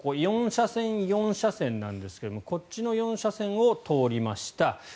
４車線、４車線なんですがこっちの４車線を通りました。